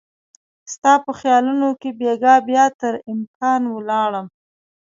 ستا په خیالونو کې بیګا بیا تر امکان ولاړ مه